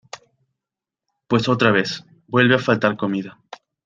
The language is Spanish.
pues otra vez, vuelve a faltar comida.